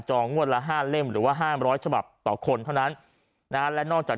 จองงวดละ๕เล่มหรือ๕๐๐ฉบับต่อคนเท่านั้นแน่แล้วนอกจาก